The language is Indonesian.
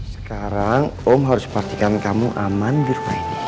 sekarang om harus pastikan kamu aman di rumah ini